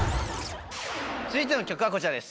続いての企画はこちらです。